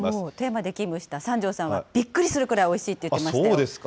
で勤務した三條さんがびっくりするくらいおいしいって言っそうですか。